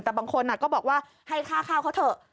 แต่บางคนก็บอกว่าให้ค่าข้าวเขาเถอะ